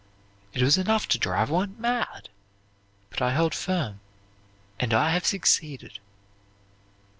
It was enough to drive one mad. But I held firm, and I have succeeded."